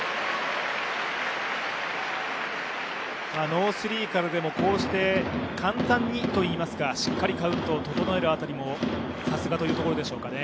ノースリーからでも、こうして簡単にといいますか、しっかりカウントを整えるあたりもさすがというところでしょうかね。